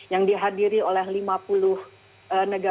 yang dihadiri oleh lima puluh negara